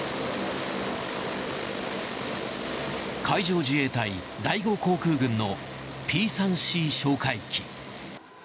海上自衛隊第５航空群のＰ３Ｃ哨戒機。